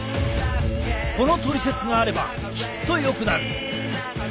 このトリセツがあればきっとよくなる！